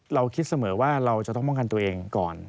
เราคิดเสมอว่าเราจะต้องป้องกันตัวเองก่อน